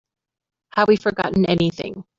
Have we forgotten anything?